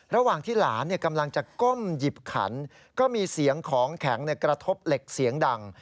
ระหว่างที่หลานกำลังจะก้มหยิบขันก็มีเสียงของแข็งกระทบเหล็กเสียงดัง